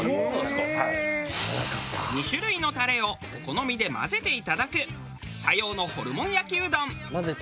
２種類のタレをお好みで混ぜていただく佐用のホルモン焼きうどん。